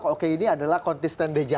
oke ini adalah kontestan dejaku